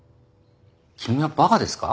君は馬鹿ですか？